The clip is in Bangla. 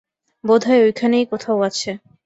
বোধ হয় ঐখানেই কোথাও আছে।